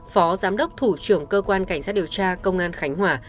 phó giám đốc thủ trưởng cơ quan cảnh sát điều tra công an khánh hòa